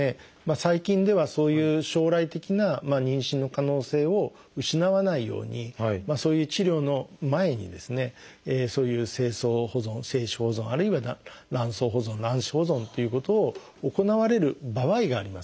最近ではそういう将来的な妊娠の可能性を失わないようにそういう治療の前にですねそういう精巣保存精子保存あるいは卵巣保存卵子保存ということを行われる場合があります。